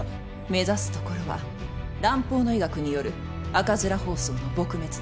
目指すところは蘭方の医学による赤面疱瘡の撲滅です。